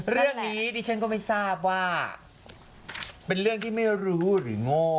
เรื่องนี้ดิฉันก็ไม่ทราบว่าเป็นเรื่องที่ไม่รู้หรือโง่